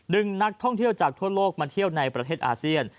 นักท่องเที่ยวจากทั่วโลกมาเที่ยวในประเทศอาเซียน